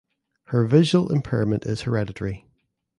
Her visual impairment is hereditary.